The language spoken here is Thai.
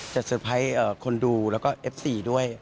จะสุดท้ายคนดูแล้วก็เอฟซีด้วย